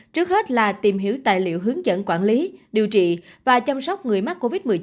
trước hết là tìm hiểu tài liệu hướng dẫn quản lý điều trị và chăm sóc người mắc covid một mươi chín